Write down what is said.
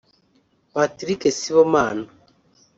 Patrick Sibomana